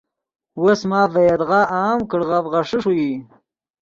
وس ماف ڤے یدغا عام کڑغف غیݰے ݰوئی